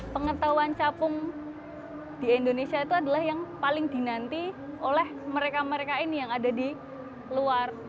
pengetahuan capung di indonesia itu adalah yang paling dinanti oleh mereka mereka ini yang ada di luar